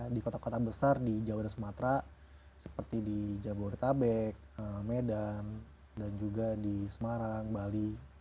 di kota kota besar di jawa dan sumatera seperti di jabodetabek medan dan juga di semarang bali